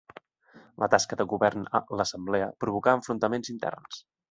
La tasca de govern a l'Assemblea provocà enfrontaments interns.